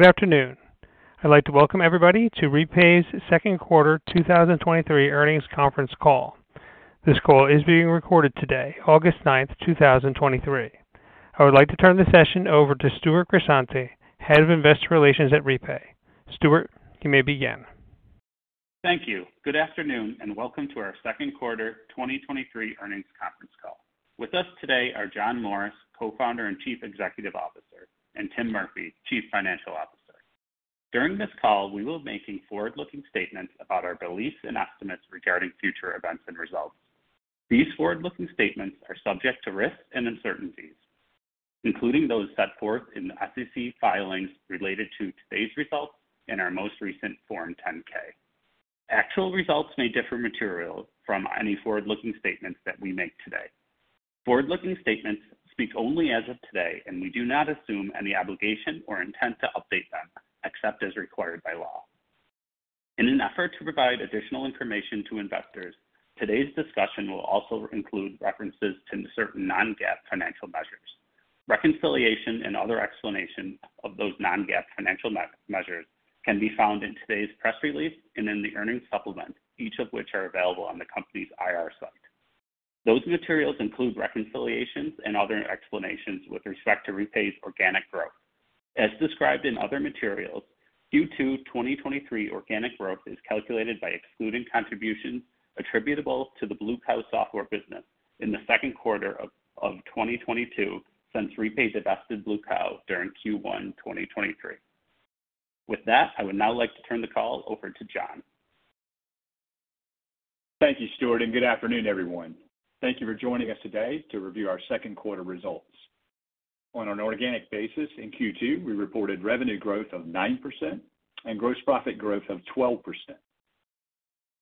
Good afternoon. I'd like to welcome everybody to Repay's second quarter 2023 earnings conference call. This call is being recorded today, August ninth, 2023. I would like to turn the session over to Stewart Grisante, Head of Investor Relations at Repay. Stewart, you may begin. Thank you. Good afternoon, and welcome to our second quarter 2023 earnings conference call. With us today are John Morris, Co-Founder and Chief Executive Officer, and Tim Murphy, Chief Financial Officer. During this call, we will be making forward-looking statements about our beliefs and estimates regarding future events and results. These forward-looking statements are subject to risks and uncertainties, including those set forth in the SEC filings related to today's results and our most recent Form 10-K. Actual results may differ materially from any forward-looking statements that we make today. Forward-looking statements speak only as of today. We do not assume any obligation or intent to update them, except as required by law. In an effort to provide additional information to investors, today's discussion will also include references to certain non-GAAP financial measures. Reconciliation and other explanation of those non-GAAP financial measures can be found in today's press release and in the earnings supplement, each of which are available on the company's IR site. Those materials include reconciliations and other explanations with respect to Repay's organic growth. As described in other materials, Q2 2023 organic growth is calculated by excluding contributions attributable to the Blue Cow Software business in the second quarter of 2022, since Repay divested Blue Cow during Q1 2023. With that, I would now like to turn the call over to John. Thank you, Stewart. Good afternoon, everyone. Thank you for joining us today to review our second quarter results. On an organic basis, in Q2, we reported revenue growth of 9% and gross profit growth of 12%.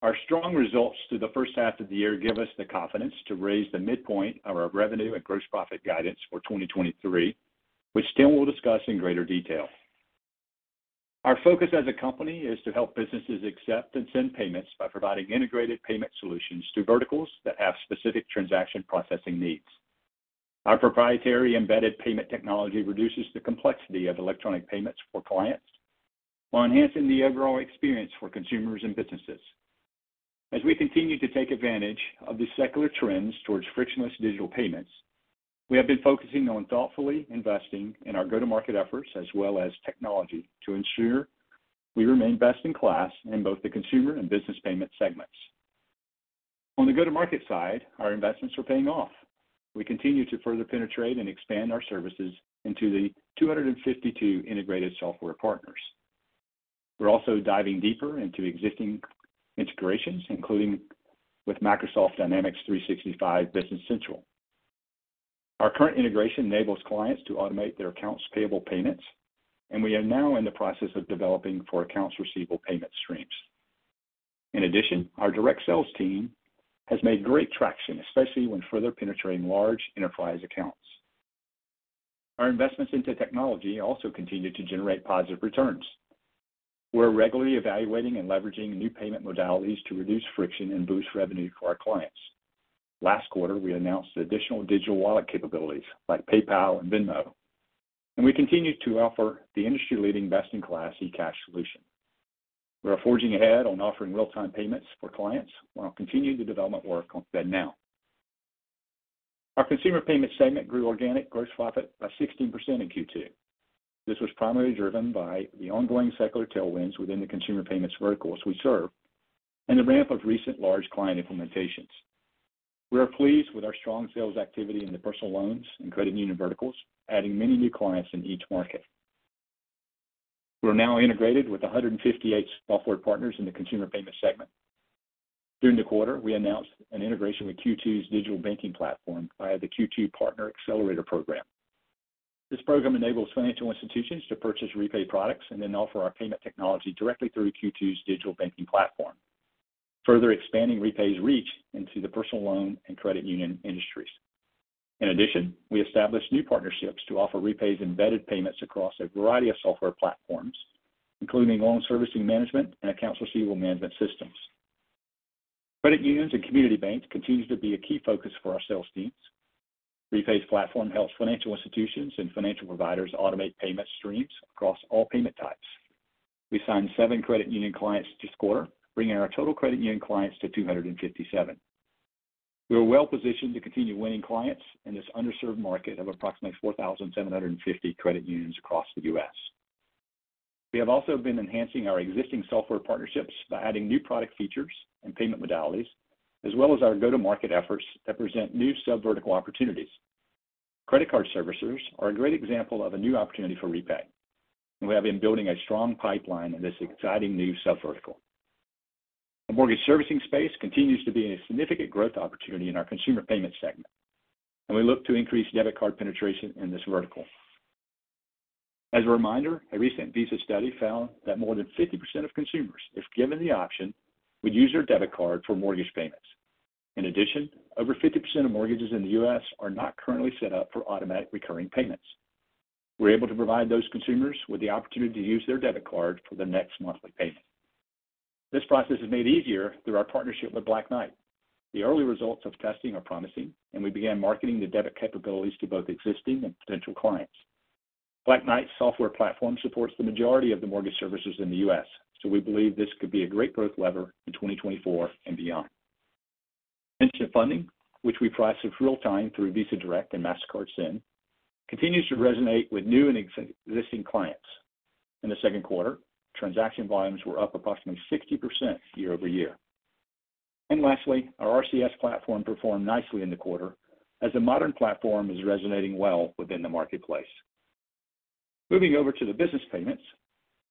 Our strong results through the first half of the year give us the confidence to raise the midpoint of our revenue and gross profit guidance for 2023, which Tim will discuss in greater detail. Our focus as a company is to help businesses accept and send payments by providing integrated payment solutions to verticals that have specific transaction processing needs. Our proprietary embedded payment technology reduces the complexity of electronic payments for clients while enhancing the overall experience for consumers and businesses. As we continue to take advantage of the secular trends towards frictionless digital payments, we have been focusing on thoughtfully investing in our go-to-market efforts, as well as technology, to ensure we remain best-in-class in both the consumer and business payment segments. On the go-to-market side, our investments are paying off. We continue to further penetrate and expand our services into the 252 integrated software partners. We're also diving deeper into existing integrations, including with Microsoft Dynamics 365 Business Central. Our current integration enables clients to automate their accounts payable payments, and we are now in the process of developing for accounts receivable payment streams. In addition, our direct sales team has made great traction, especially when further penetrating large enterprise accounts. Our investments into technology also continue to generate positive returns. We're regularly evaluating and leveraging new payment modalities to reduce friction and boost revenue for our clients. Last quarter, we announced additional digital wallet capabilities like PayPal and Venmo, and we continue to offer the industry-leading best-in-class eCash solution. We are forging ahead on offering real-time payments for clients, while continuing the development work on that now. Our consumer payment segment grew organic gross profit by 16% in Q2. This was primarily driven by the ongoing secular tailwinds within the consumer payments verticals we serve and the ramp of recent large client implementations. We are pleased with our strong sales activity in the personal loans and credit union verticals, adding many new clients in each market. We're now integrated with 158 software partners in the consumer payment segment. During the quarter, we announced an integration with Q2's digital banking platform via the Q2 Partner Accelerator Program. This program enables financial institutions to purchase Repay products and then offer our payment technology directly through Q2's digital banking platform, further expanding Repay's reach into the personal loan and credit union industries. In addition, we established new partnerships to offer Repay's embedded payments across a variety of software platforms, including loan servicing management and accounts receivable management systems. Credit unions and community banks continue to be a key focus for our sales teams. Repay's platform helps financial institutions and financial providers automate payment streams across all payment types. We signed seven credit union clients this quarter, bringing our total credit union clients to 257. We are well-positioned to continue winning clients in this underserved market of approximately 4,750 credit unions across the US. We have also been enhancing our existing software partnerships by adding new product features and payment modalities, as well as our go-to-market efforts that present new subvertical opportunities. Credit card servicers are a great example of a new opportunity for Repay. We have been building a strong pipeline in this exciting new subvertical. The mortgage servicing space continues to be a significant growth opportunity in our consumer payment segment. We look to increase debit card penetration in this vertical. As a reminder, a recent Visa study found that more than 50% of consumers, if given the option, would use their debit card for mortgage payments. In addition, over 50% of mortgages in the US are not currently set up for automatic recurring payments. We're able to provide those consumers with the opportunity to use their debit card for the next monthly payment. This process is made easier through our partnership with Black Knight. The early results of testing are promising, we began marketing the debit capabilities to both existing and potential clients. Black Knight's software platform supports the majority of the mortgage services in the US, we believe this could be a great growth lever in 2024 and beyond. Instant Funding, which we process real-time through Visa Direct and Mastercard Send, continues to resonate with new and existing clients. In the second quarter, transaction volumes were up approximately 60% year-over-year. Lastly, our RCS platform performed nicely in the quarter as the modern platform is resonating well within the marketplace. Moving over to the business payments.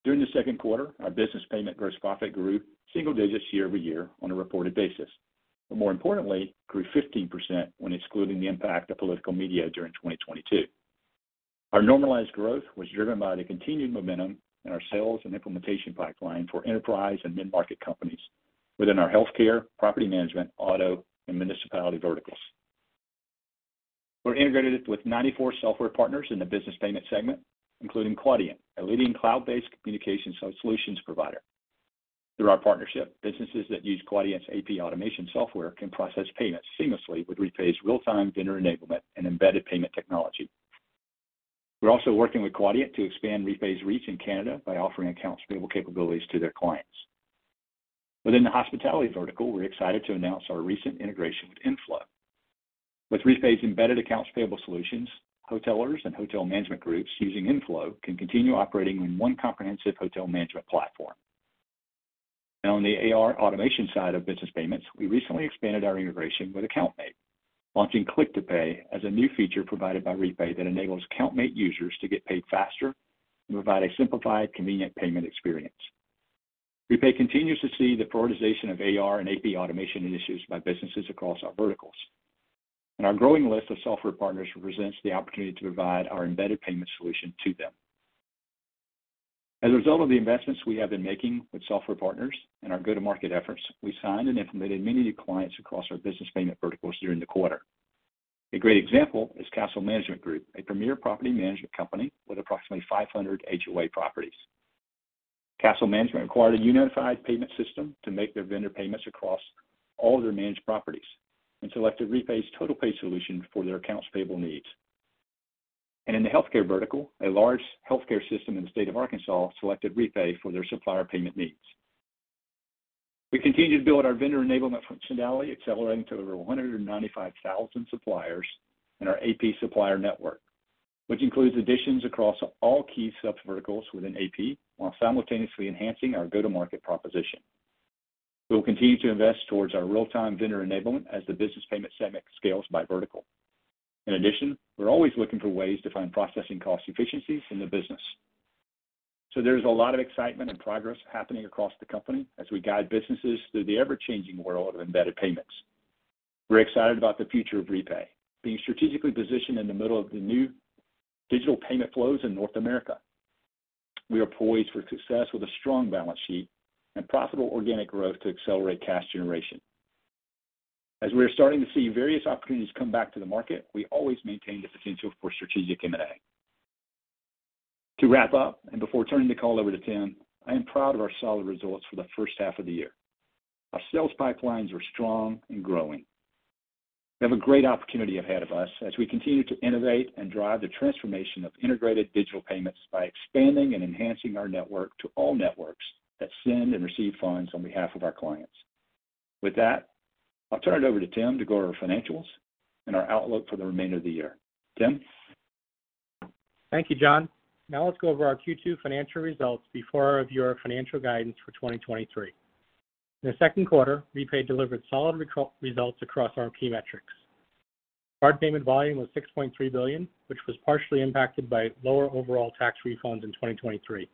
During the second quarter, our business payment gross profit grew single digits year-over-year on a reported basis. More importantly, grew 15% when excluding the impact of political media during 2022. Our normalized growth was driven by the continued momentum in our sales and implementation pipeline for enterprise and mid-market companies within our healthcare, property management, auto, and municipality verticals. We're integrated with 94 software partners in the business payments segment, including Quadient, a leading cloud-based communication solutions provider. Through our partnership, businesses that use Quadient's AP automation software can process payments seamlessly with Repay's real-time vendor enablement and embedded payment technology. We're also working with Quadient to expand Repay's reach in Canada by offering accounts payable capabilities to their clients. Within the hospitality vertical, we're excited to announce our recent integration with InnFlow. With Repay's embedded accounts payable solutions, hoteliers and hotel management groups using Inn-Flow can continue operating in one comprehensive hotel management platform. On the AR automation side of business payments, we recently expanded our integration with AccountMate, launching Click to Pay as a new feature provided by Repay that enables AccountMate users to get paid faster and provide a simplified, convenient payment experience. Repay continues to see the prioritization of AR and AP automation initiatives by businesses across our verticals, and our growing list of software partners represents the opportunity to provide our embedded payment solution to them. As a result of the investments we have been making with software partners and our go-to-market efforts, we signed and implemented many new clients across our business payment verticals during the quarter. A great example is Castle Management Group, a premier property management company with approximately 500 HOA properties. Castle Management acquired a unified payment system to make their vendor payments across all their managed properties and selected Repay's TotalPay solution for their accounts payable needs. In the healthcare vertical, a large healthcare system in the state of Arkansas selected Repay for their supplier payment needs. We continue to build our vendor enablement functionality, accelerating to over 195,000 suppliers in our AP supplier network, which includes additions across all key sub verticals within AP, while simultaneously enhancing our go-to-market proposition. We will continue to invest towards our real-time vendor enablement as the business payment segment scales by vertical. In addition, we're always looking for ways to find processing cost efficiencies in the business. There's a lot of excitement and progress happening across the company as we guide businesses through the ever-changing world of embedded payments. We're excited about the future of Repay, being strategically positioned in the middle of the new digital payment flows in North America. We are poised for success with a strong balance sheet and profitable organic growth to accelerate cash generation. As we are starting to see various opportunities come back to the market, we always maintain the potential for strategic M&A. To wrap up, and before turning the call over to Tim, I am proud of our solid results for the first half of the year. Our sales pipelines are strong and growing. We have a great opportunity ahead of us as we continue to innovate and drive the transformation of integrated digital payments by expanding and enhancing our network to all networks that send and receive funds on behalf of our clients. With that, I'll turn it over to Tim to go over financials and our outlook for the remainder of the year. Tim? Thank you, John. Now let's go over our Q2 financial results before I review our financial guidance for 2023. In the second quarter, Repay delivered solid results across our key metrics. Card payment volume was $6.3 billion, which was partially impacted by lower overall tax refunds in 2023.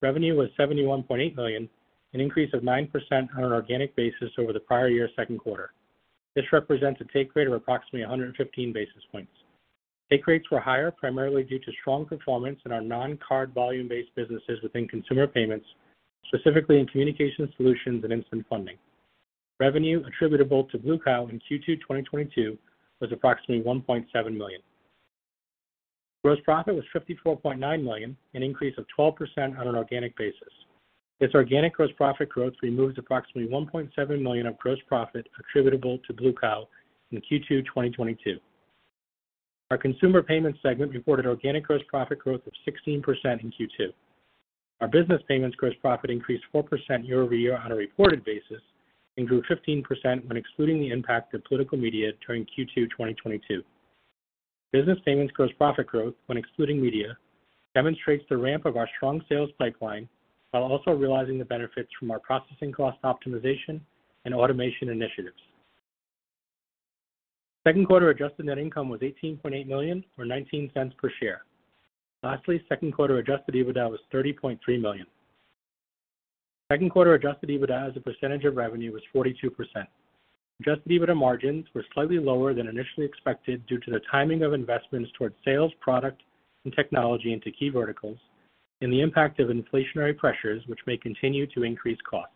Revenue was $71.8 million, an increase of 9% on an organic basis over the prior year's second quarter. This represents a take rate of approximately 115 basis points. Take rates were higher, primarily due to strong performance in our non-card volume-based businesses within consumer payments, specifically in Communication Solutions and Instant Funding. Revenue attributable to Blue Cow in Q2 2022 was approximately $1.7 million. Gross profit was $54.9 million, an increase of 12% on an organic basis. This organic gross profit growth removed approximately $1.7 million of gross profit attributable to Blue Cow in Q2 2022. Our consumer payments segment reported organic gross profit growth of 16% in Q2. Our business payments gross profit increased 4% year-over-year on a reported basis and grew 15% when excluding the impact of political media during Q2 2022. Business payments gross profit growth, when excluding media, demonstrates the ramp of our strong sales pipeline while also realizing the benefits from our processing cost optimization and automation initiatives. Second quarter Adjusted Net Income was $18.8 million or $0.19 per share. Lastly, second quarter Adjusted EBITDA was $30.3 million. Second quarter Adjusted EBITDA as a percentage of revenue was 42%. Adjusted EBITDA margins were slightly lower than initially expected due to the timing of investments towards sales, product, and technology into key verticals and the impact of inflationary pressures, which may continue to increase costs.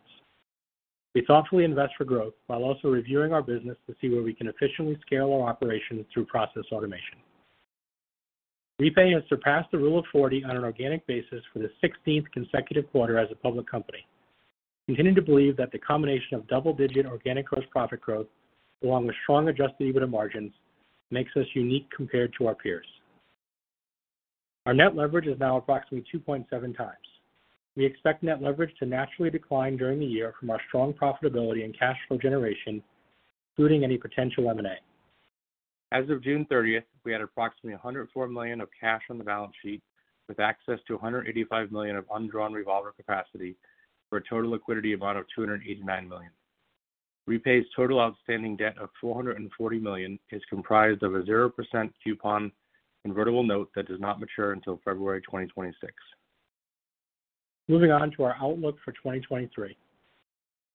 We thoughtfully invest for growth while also reviewing our business to see where we can efficiently scale our operations through process automation. Repay has surpassed the Rule of 40 on an organic basis for the 16th consecutive quarter as a public company. We continue to believe that the combination of double-digit organic gross profit growth, along with strong Adjusted EBITDA margins, makes us unique compared to our peers. Our net leverage is now approximately 2.7 times. We expect net leverage to naturally decline during the year from our strong profitability and cash flow generation, including any potential M&A. As of June 30th, we had approximately $104 million of cash on the balance sheet, with access to $185 million of undrawn revolver capacity, for a total liquidity amount of $289 million. Repay's total outstanding debt of $440 million is comprised of a 0% coupon convertible note that does not mature until February 2026. Moving on to our outlook for 2023.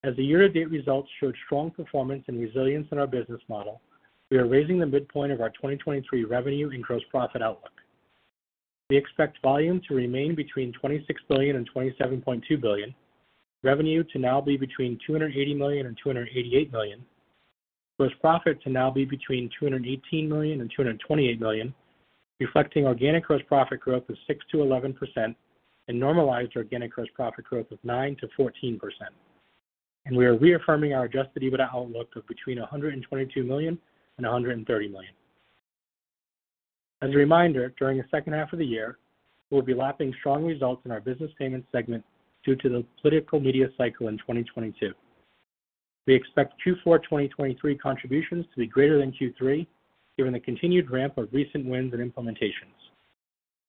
As the year-to-date results showed strong performance and resilience in our business model, we are raising the midpoint of our 2023 revenue and gross profit outlook. We expect volume to remain between $26 billion and $27.2 billion, revenue to now be between $280 million and $288 million. Gross profit to now be between $218 million and $228 million, reflecting organic gross profit growth of 6%-11% and normalized organic gross profit growth of 9%-14%. We are reaffirming our Adjusted EBITDA outlook of between $122 million and $130 million. As a reminder, during the second half of the year, we'll be lapping strong results in our business payments segment due to the political media cycle in 2022. We expect Q4 2023 contributions to be greater than Q3, given the continued ramp of recent wins and implementations.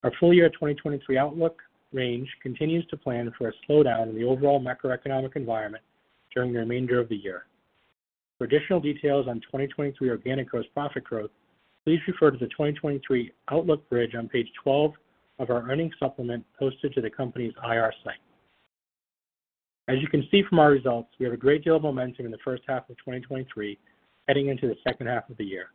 Our full year 2023 outlook range continues to plan for a slowdown in the overall macroeconomic environment during the remainder of the year. For additional details on 2023 organic gross profit growth, please refer to the 2023 outlook bridge on page 12 of our earnings supplement posted to the company's IR site. As you can see from our results, we have a great deal of momentum in the first half of 2023, heading into the second half of the year.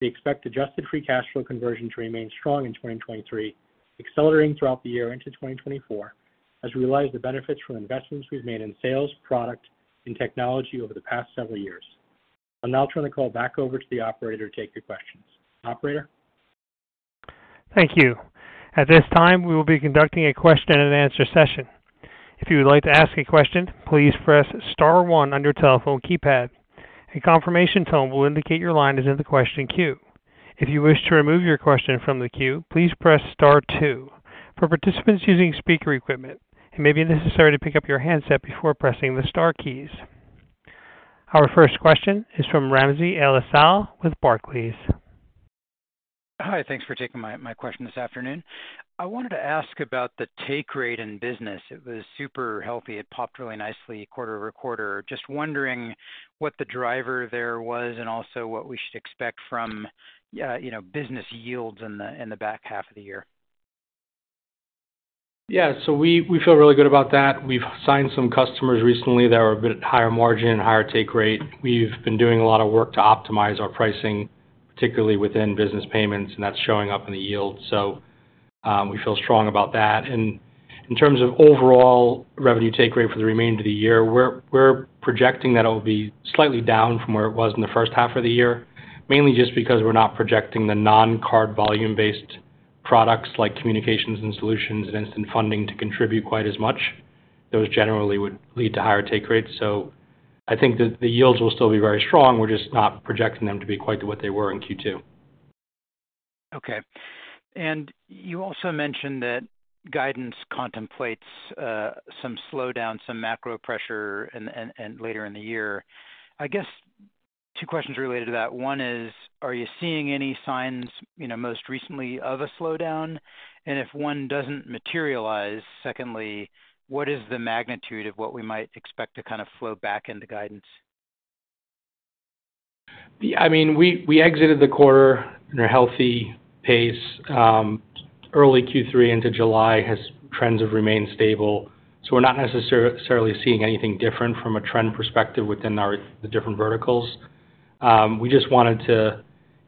We expect adjusted free cash flow conversion to remain strong in 2023, accelerating throughout the year into 2024 as we realize the benefits from investments we've made in sales, product, and technology over the past several years. I'll now turn the call back over to the operator to take your questions. Operator? Thank you. At this time, we will be conducting a question-and-answer session. If you would like to ask a question, please press star one on your telephone keypad. A confirmation tone will indicate your line is in the question queue. If you wish to remove your question from the queue, please press star two. For participants using speaker equipment, it may be necessary to pick up your handset before pressing the star keys. Our first question is from Ramsey El-Assal with Barclays. Hi, thanks for taking my question this afternoon. I wanted to ask about the take rate in business. It was super healthy. It popped really nicely quarter-over-quarter. Just wondering what the driver there was and also what we should expect from, you know, business yields in the back half of the year. Yeah, we, we feel really good about that. We've signed some customers recently that are a bit higher margin and higher take rate. We've been doing a lot of work to optimize our pricing, particularly within business payments, and that's showing up in the yield, so we feel strong about that. In terms of overall revenue take rate for the remainder of the year, we're, we're projecting that it will be slightly down from where it was in the first half of the year, mainly just because we're not projecting the non-card volume-based products like Communication Solutions and Instant Funding to contribute quite as much. Those generally would lead to higher take rates. I think that the yields will still be very strong. We're just not projecting them to be quite what they were in Q2. Okay. You also mentioned that guidance contemplates, some slowdown, some macro pressure and later in the year. I guess two questions related to that. One is, are you seeing any signs, you know, most recently of a slowdown? If one doesn't materialize, secondly, what is the magnitude of what we might expect to kind of flow back into guidance? I mean, we, we exited the quarter in a healthy pace. Early Q3 into July has trends have remained stable, so we're not necessarily seeing anything different from a trend perspective within our, the different verticals. We just wanted to,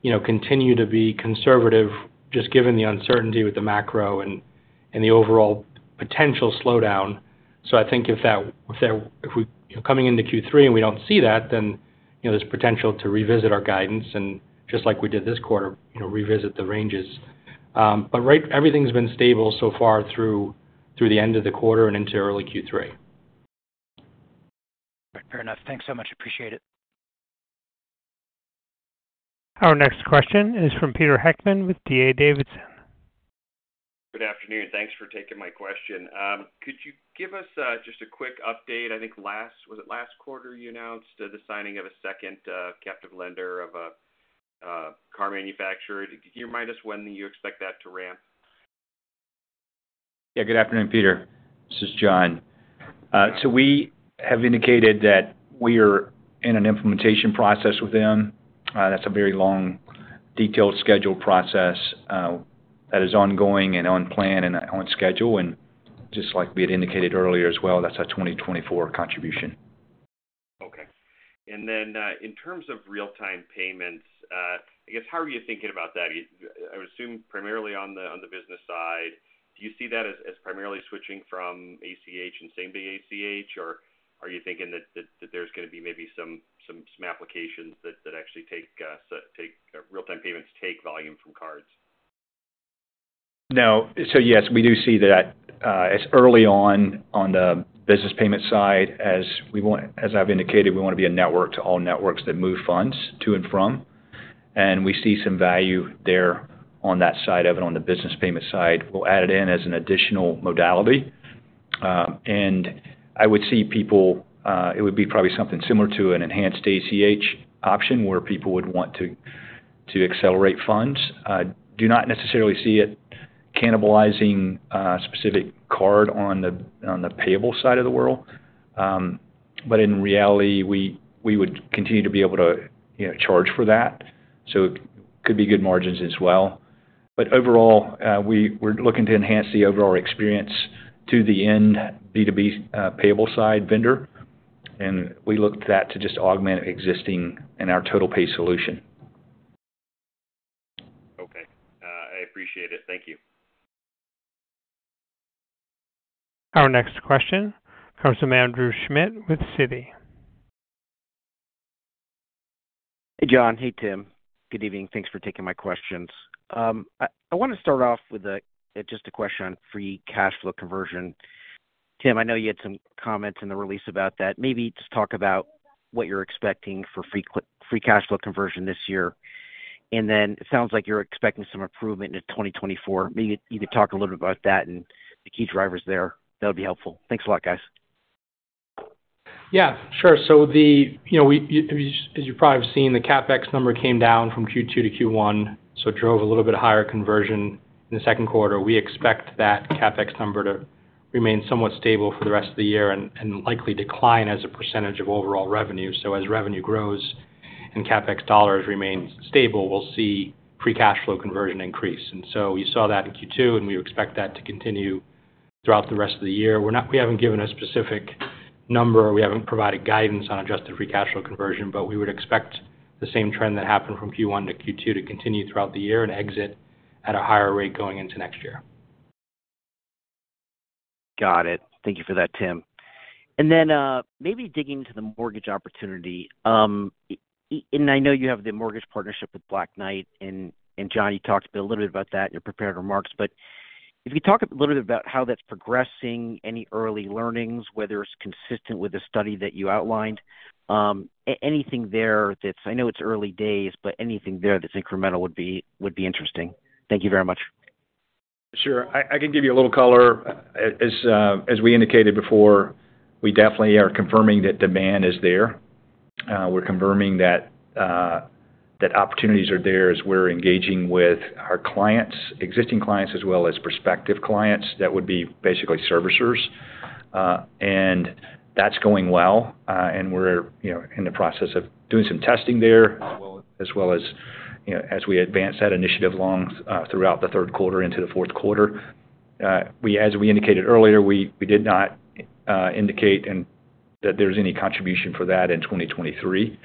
you know, continue to be conservative, just given the uncertainty with the macro and, and the overall potential slowdown. I think if that, if we're coming into Q3 and we don't see that, then, you know, there's potential to revisit our guidance and just like we did this quarter, you know, revisit the ranges. Right, everything's been stable so far through, through the end of the quarter and into early Q3. Fair enough. Thanks so much. Appreciate it. Our next question is from Peter Heckmann with D.A. Davidson. Good afternoon. Thanks for taking my question. Could you give us just a quick update? I think last -- was it last quarter you announced the signing of a second captive lender of a car manufacturer. Could you remind us when you expect that to ramp? Yeah. Good afternoon, Peter. This is John. We have indicated that we are in an implementation process with them. That's a very long, detailed schedule process, that is ongoing and on plan and on schedule, and just like we had indicated earlier as well, that's a 2024 contribution. Okay. Then, in terms of real-time payments, I guess, how are you thinking about that? I would assume primarily. Do you see that as primarily switching from ACH and same-day ACH? Are you thinking that there's gonna be maybe some applications that actually take real-time payments take volume from cards? No. Yes, we do see that, as early on on the business payment side, as I've indicated, we wanna be a network to all networks that move funds to and from. We see some value there on that side of it. On the business payment side, we'll add it in as an additional modality. And I would see people... It would be probably something similar to an enhanced ACH option, where people would want to, to accelerate funds. I do not necessarily see it cannibalizing specific card on the, on the payable side of the world. In reality, we, we would continue to be able to, you know, charge for that, so it could be good margins as well. Overall, we're looking to enhance the overall experience to the end B2B payable side vendor, and we look to that to just augment existing in our TotalPay solution. Okay. I appreciate it. Thank you. Our next question comes from Andrew Schmidt with Citi. Hey, John. Hey, Tim. Good evening. Thanks for taking my questions. I, I wanna start off with a just a question on free cash flow conversion. Tim, I know you had some comments in the release about that. Maybe just talk about what you're expecting for free cash flow conversion this year. It sounds like you're expecting some improvement in 2024. Maybe you could talk a little bit about that and the key drivers there. That would be helpful. Thanks a lot, guys. Yeah, sure. The, you know, we, as you probably have seen, the CapEx number came down from Q2 to Q1, so it drove a little bit higher conversion in the second quarter. We expect that CapEx number to remain somewhat stable for the rest of the year and likely decline as a percentage of overall revenue. As revenue grows and CapEx dollars remains stable, we'll see free cash flow conversion increase. So we saw that in Q2, and we expect that to continue throughout the rest of the year. We haven't given a specific number, we haven't provided guidance on adjusted free cash flow conversion, but we would expect the same trend that happened from Q1 to Q2 to continue throughout the year and exit at a higher rate going into next year. Got it. Thank you for that, Tim. Then, maybe digging into the mortgage opportunity, and I know you have the mortgage partnership with Black Knight, and, and John, you talked a little bit about that in your prepared remarks. If you talk a little bit about how that's progressing, any early learnings, whether it's consistent with the study that you outlined, anything there that's... I know it's early days, but anything there that's incremental would be, would be interesting. Thank you very much. Sure. I, I can give you a little color. As we indicated before, we definitely are confirming that demand is there. We're confirming that, that opportunities are there as we're engaging with our clients, existing clients, as well as prospective clients, that would be basically servicers. That's going well, and we're, you know, in the process of doing some testing there, as well, as well as, you know, as we advance that initiative along, throughout the third quarter into the fourth quarter. As we indicated earlier, we, we did not, indicate that there's any contribution for that in 2023,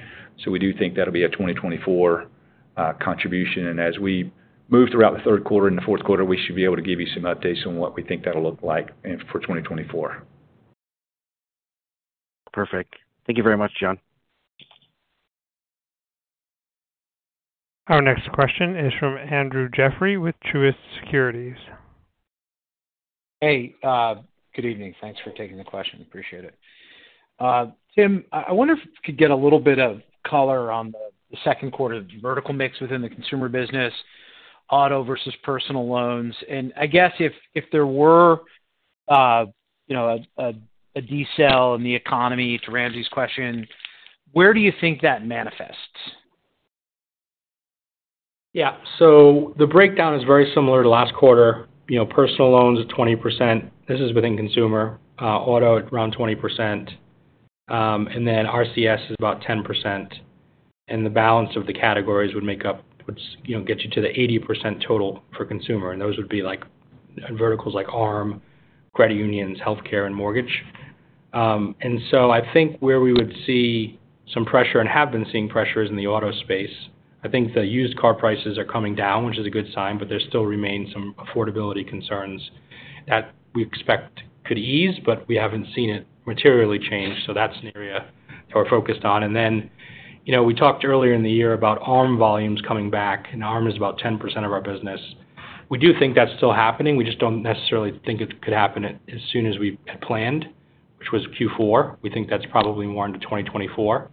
so we do think that'll be a 2024 contribution. As we move throughout the third quarter and the fourth quarter, we should be able to give you some updates on what we think that'll look like and for 2024. Perfect. Thank you very much, John. Our next question is from Andrew Jeffrey with Truist Securities. Hey, good evening. Thanks for taking the question. Appreciate it. Tim, I, I wonder if I could get a little bit of color on the second quarter vertical mix within the consumer business, auto versus personal loans. And I guess if, if there were, you know, a, a, a decel in the economy, to Randy's question, where do you think that manifests? Yeah. The breakdown is very similar to last quarter. You know, personal loans are 20%. This is within consumer. Auto at around 20%, and then RCS is about 10%, and the balance of the categories would make up, which, you know, gets you to the 80% total for consumer, and those would be like verticals like ARM, credit unions, healthcare, and mortgage. I think where we would see some pressure and have been seeing pressure is in the auto space. I think the used car prices are coming down, which is a good sign, but there still remains some affordability concerns that we expect could ease, but we haven't seen it materially change. That's an area that we're focused on. Then, you know, we talked earlier in the year about ARM volumes coming back, and ARM is about 10% of our business. We do think that's still happening. We just don't necessarily think it could happen as soon as we had planned, which was Q4. We think that's probably more into 2024.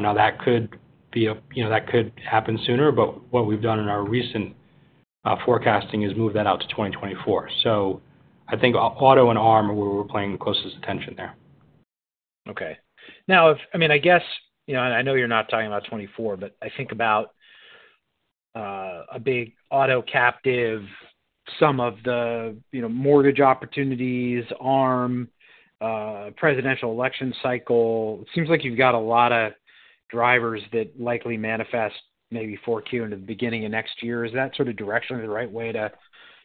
Now, that could be a, you know, that could happen sooner, but what we've done in our recent forecasting is move that out to 2024. I think auto and ARM are where we're paying the closest attention there. Okay. Now, I mean, I guess, you know, and I know you're not talking about 2024, but I think about, a big auto captive, some of the, you know, mortgage opportunities, ARM, presidential election cycle. Seems like you've got a lot of drivers that likely manifest maybe 4Q into the beginning of next year. Is that sort of directionally the right way to,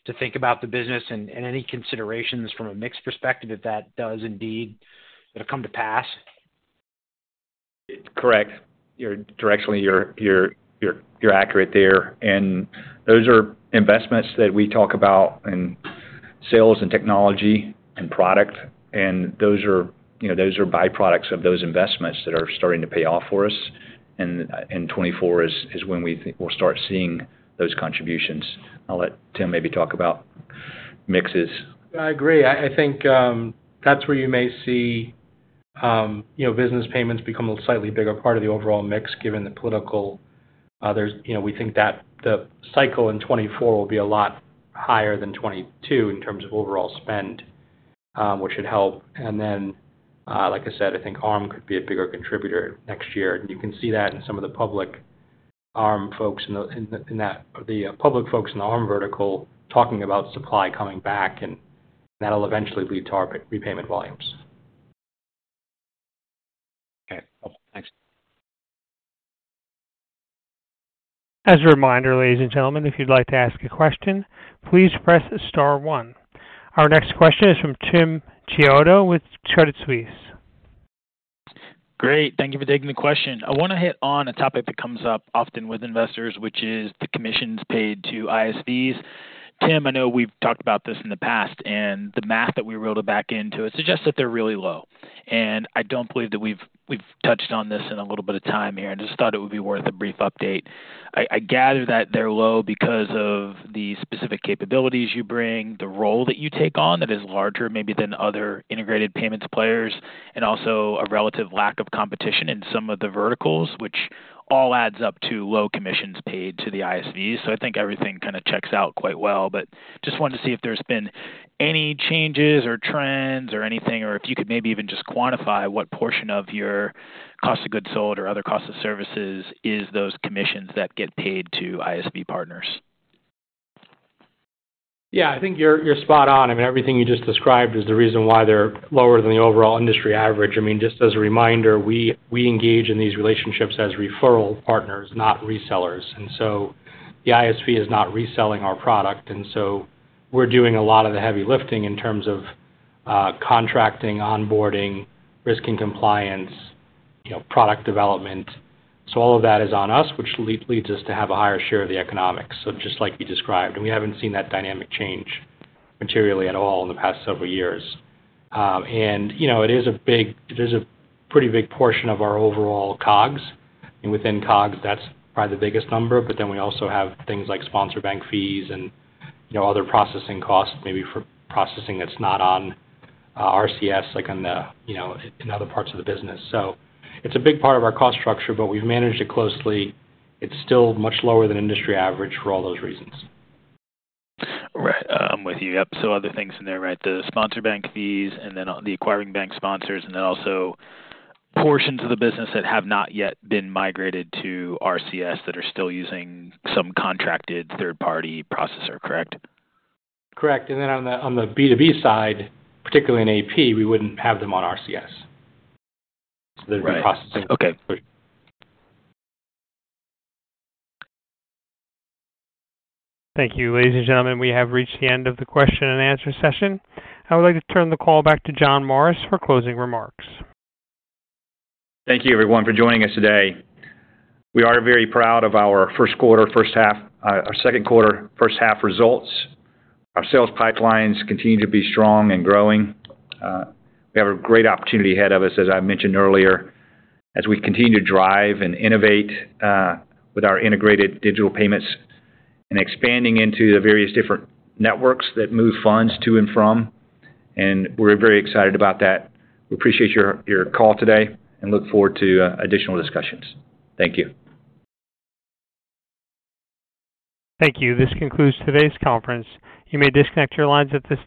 to think about the business and, and any considerations from a mix perspective, if that does indeed, it'll come to pass? Correct. You're, directionally, you're, you're, you're, you're accurate there. Those are investments that we talk about in sales and technology and product, and those are, you know, those are byproducts of those investments that are starting to pay off for us. 2024 is, is when we think we'll start seeing those contributions. I'll let Tim maybe talk about mixes. I agree. I, I think, that's where you may see, you know, business payments become a slightly bigger part of the overall mix, given the political. You know, we think that the cycle in 2024 will be a lot higher than 2022 in terms of overall spend, which should help. Then, like I said, I think ARM could be a bigger contributor next year. You can see that in some of the public ARM folks, the public folks in the ARM vertical, talking about supply coming back, and that'll eventually lead to repayment volumes. Okay, cool. Thanks. As a reminder, ladies and gentlemen, if you'd like to ask a question, please press star one. Our next question is from Timothy Chiodo with Credit Suisse. Great, thank you for taking the question. I wanna hit on a topic that comes up often with investors, which is the commissions paid to ISVs. Tim, I know we've talked about this in the past, and the math that we rolled it back into, it suggests that they're really low. I don't believe that we've, we've touched on this in a little bit of time here, and just thought it would be worth a brief update. I, I gather that they're low because of the specific capabilities you bring, the role that you take on that is larger maybe than other integrated payments players, and also a relative lack of competition in some of the verticals, which all adds up to low commissions paid to the ISV. I think everything kinda checks out quite well, but just wanted to see if there's been any changes or trends or anything, or if you could maybe even just quantify what portion of your Cost of Goods Sold or other costs of services is those commissions that get paid to ISV partners. Yeah, I think you're, you're spot on. I mean, everything you just described is the reason why they're lower than the overall industry average. I mean, just as a reminder, we, we engage in these relationships as referral partners, not resellers. So the ISV is not reselling our product, and so we're doing a lot of the heavy lifting in terms of contracting, onboarding, risk and compliance, you know, product development. All of that is on us, which leads us to have a higher share of the economics. Just like you described, we haven't seen that dynamic change materially at all in the past several years. You know, it is a pretty big portion of our overall COGS, and within COGS, that's probably the biggest number. Then we also have things like sponsor bank fees and, you know, other processing costs, maybe for processing that's not on RCS, like on the, you know, in other parts of the business. It's a big part of our cost structure, but we've managed it closely. It's still much lower than industry average for all those reasons. Right. With you, yep, so other things in there, right? The sponsor bank fees and then, the acquiring bank sponsors, and then also portions of the business that have not yet been migrated to RCS that are still using some contracted third-party processor, correct? Correct. Then on the, on the B2B side, particularly in AP, we wouldn't have them on RCS. Right. They'd be processing. Okay, great. Thank you. Ladies and gentlemen, we have reached the end of the question and answer session. I would like to turn the call back to John Morris for closing remarks. Thank you, everyone, for joining us today. We are very proud of our first quarter, first half, our second quarter, first half results. Our sales pipelines continue to be strong and growing. We have a great opportunity ahead of us, as I mentioned earlier, as we continue to drive and innovate with our integrated digital payments and expanding into the various different networks that move funds to and from, and we're very excited about that. We appreciate your, your call today and look forward to additional discussions. Thank you. Thank you. This concludes today's conference. You may disconnect your lines at this time.